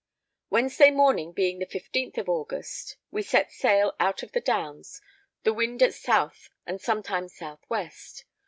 Wednesday morning, being the 15th of August, we set sail out of the Downs, the wind at south and sometimes south west.